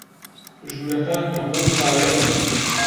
ژوورەکان هەموو خاوێنن.